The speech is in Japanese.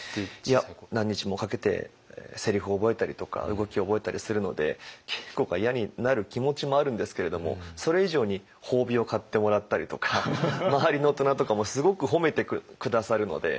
何日もかけてせりふを覚えたりとか動きを覚えたりするので稽古が嫌になる気持ちもあるんですけれどもそれ以上に褒美を買ってもらったりとか周りの大人とかもすごく褒めて下さるので。